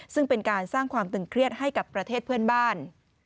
ซึ่งเป็นการสร้างความตึงเครียดให้กับประเทศเพื่อนบ้าน